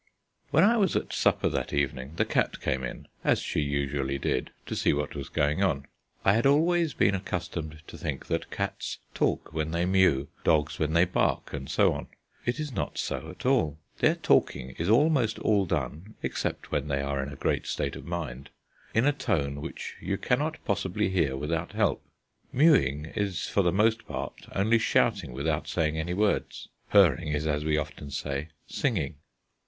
When I was at supper that evening, the cat came in, as she usually did, to see what was going. I had always been accustomed to think that cats talk when they mew, dogs when they bark, and so on. It is not so at all. Their talking is almost all done (except when they are in a great state of mind) in a tone which you cannot possibly hear without help. Mewing is for the most part only shouting without saying any words. Purring is, as we often say, singing.